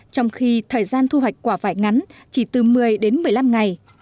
trong khi thời gian thu hoạch quả vải ngắn chỉ từ một mươi đến một mươi năm ngày